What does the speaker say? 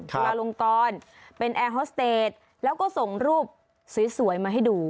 ลาลงกรเป็นแอร์ฮอสเตจแล้วก็ส่งรูปสวยมาให้ดู